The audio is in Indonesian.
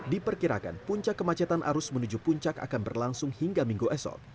diperkirakan puncak kemacetan arus menuju puncak akan berlangsung hingga minggu esok